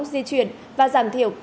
di chuyển và giảm thiểu